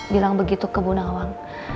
bilang begitu ke bu nawam